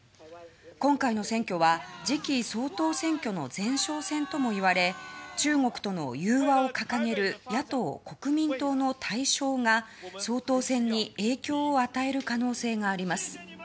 今回の選挙は次期総統選挙の前哨戦ともいわれ中国との融和を掲げる野党・国民党の大勝が総統選に影響を与える可能性があります。